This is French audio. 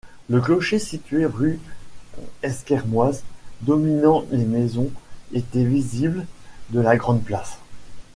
Le clocher situé rue Esquermoise dominant les maisons était visible de la Grand' Place.